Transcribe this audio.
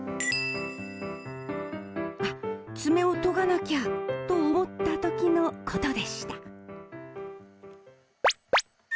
あ、爪を研がなきゃ！と思った時のことでした。